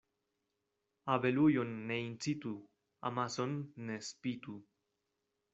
Abelujon ne incitu, amason ne spitu.